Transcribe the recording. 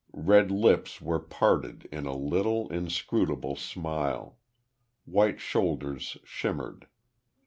Red lips were parted in a little, inscrutable smile. White shoulders shimmered.